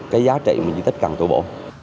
cái giá trị mà di tích cần tu bổ